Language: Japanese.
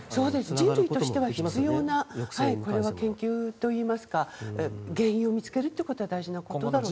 人類としては必要な研究というか原因を見つけることは大事なことだと思います。